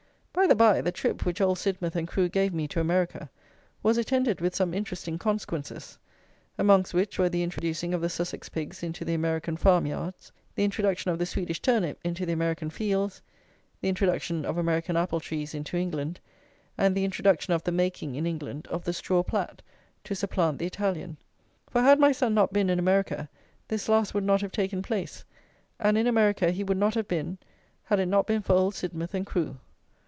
By the by, the trip, which Old Sidmouth and crew gave me to America, was attended with some interesting consequences; amongst which were the introducing of the Sussex pigs into the American farmyards; the introduction of the Swedish turnip into the American fields; the introduction of American apple trees into England; and the introduction of the making, in England, of the straw plat, to supplant the Italian; for, had my son not been in America, this last would not have taken place; and in America he would not have been, had it not been for Old Sidmouth and crew.